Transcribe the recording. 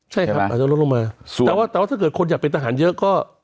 ใช่ครับอาจจะลดลงมาสูงแต่ว่าแต่ว่าถ้าเกิดคนอยากเป็นทหารเยอะก็